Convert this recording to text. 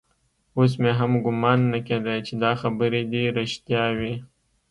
اوس مې هم ګومان نه کېده چې دا خبرې دې رښتيا وي.